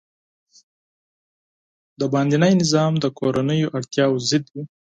بهرنی نظام د کورنیو اړتیاوو ضد وي.